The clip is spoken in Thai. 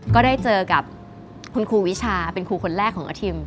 ก็ได้เจอกับคุณครูวิชาเป็นครูคนแรกของอาทิม